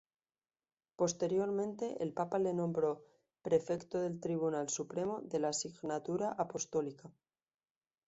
Posteriormente el papa le nombró Prefecto del Tribunal Supremo de la Signatura Apostólica.